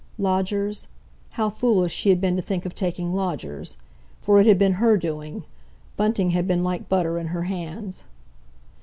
Lodgers? How foolish she had been to think of taking lodgers! For it had been her doing. Bunting had been like butter in her hands.